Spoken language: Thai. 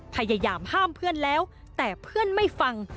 พยายามห้ามเพื่อนแล้วแต่เพื่อนไม่ฟัง